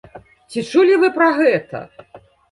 Ці чулі вы пра гэта?